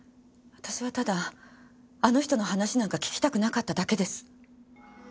私はただあの人の話なんか聞きたくなかっただけです。